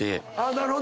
なるほど。